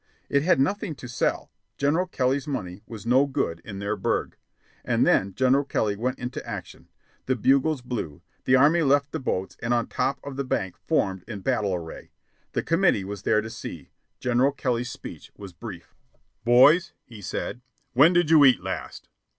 It had nothing to sell; General Kelly's money was "no good" in their burg. And then General Kelly went into action. The bugles blew. The Army left the boats and on top of the bank formed in battle array. The committee was there to see. General Kelly's speech was brief. "Boys," he said, "when did you eat last?"